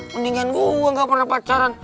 mendingan gue gak pernah pacaran